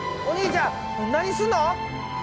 お兄ちゃん何すんの？